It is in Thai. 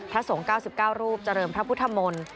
สงฆ์๙๙รูปเจริญพระพุทธมนต์